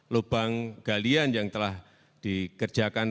lubang galian yang telah dikerjakan